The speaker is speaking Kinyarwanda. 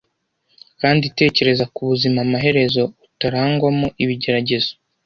kandi tekereza ku buzima amaherezo utarangwamo ibigeragezo